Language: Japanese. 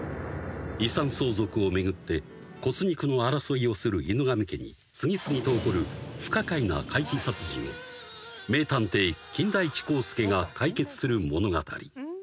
［遺産相続を巡って骨肉の争いをする犬神家に次々と起こる不可解な怪奇殺人を名探偵金田一耕助が解決する物語］